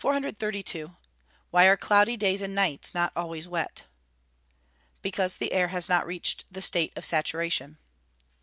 Why are cloudy days and nights not always wet? Because the air has not reached the state of saturation.